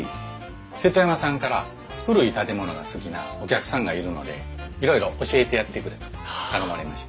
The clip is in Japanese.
瀬戸山さんから古い建物が好きなお客さんがいるのでいろいろ教えてやってくれと頼まれまして。